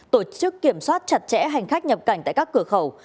tổ chức kiểm soát chặt chẽ hành khách nhập cảnh tại các cửa khẩu